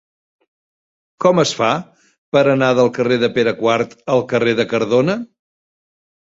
Com es fa per anar del carrer de Pere IV al carrer de Cardona?